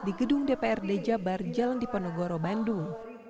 di gedung dprd jabar jalan diponegoro bandung